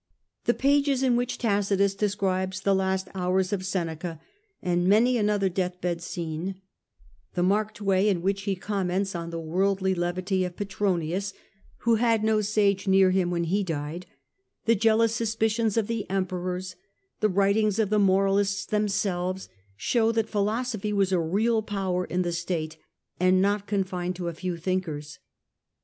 The pages in which Tacitus describes the last hours of Seneca and many another deathbed scene ; the marked way in which he comments on the worldly levity of Petronius, who had no sage near him when he died ; the jealous suspicions of the Emperors, the writings of the moralists themselves, show that phi losophy was a real power in the state, and not confined to a few thinkers.